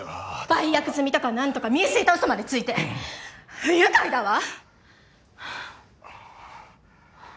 売約済みだとかなんとか見えすいたウソまでついて不愉快だわ！